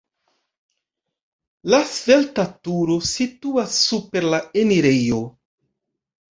La svelta turo situas super la enirejo.